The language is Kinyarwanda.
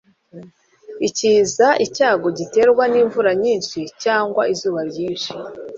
ikiza icyago giterwa n'imvura nyinshi cyangwa izuba ryinshi